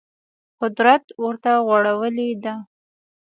قدرت ورته غوړولې ده